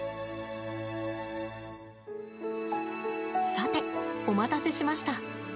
さて、お待たせしました。